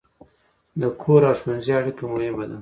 د کور او ښوونځي اړیکه مهمه ده.